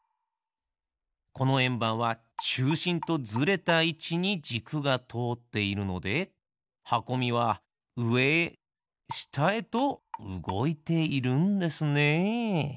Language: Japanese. このえんばんはちゅうしんとずれたいちにじくがとおっているのではこみはうえへしたへとうごいているんですね。